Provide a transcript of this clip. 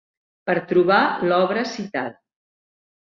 Per trobar l'obra citada.